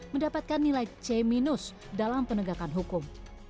mendapatkan nilai c dalam penegakan hukum